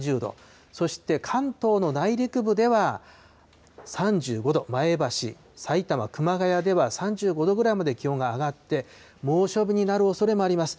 そして、関東の内陸部では３５度、前橋、埼玉・熊谷では３５度ぐらいまで気温が上がって、猛暑日になるおそれもあります。